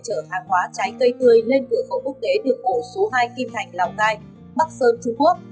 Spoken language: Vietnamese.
trở hàng hóa trái cây tươi lên cửa khẩu quốc tế được ổ số hai kim thành lào cai bắc sơn trung quốc